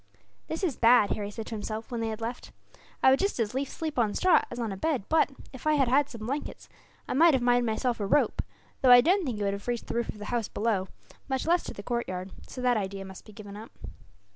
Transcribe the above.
"This is bad," Harry said to himself, when they had left. "I would just as lief sleep on straw as on a bed but, if I had had some blankets, I might have made myself a rope; though I don't think it would have reached the roof of the house below, much less to the courtyard, so that idea must be given up.